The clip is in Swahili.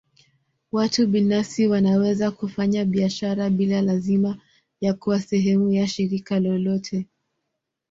Watu binafsi wanaweza kufanya biashara bila lazima ya kuwa sehemu ya shirika lolote.